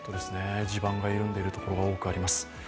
地盤が緩んでいるところが多くあります。